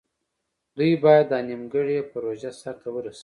دوی باید دا نیمګړې پروژه سر ته ورسوي.